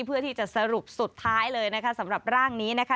เพื่อที่จะสรุปสุดท้ายเลยนะคะสำหรับร่างนี้นะคะ